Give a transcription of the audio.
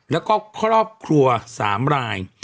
แล้วก็ครอบครัว๓ราย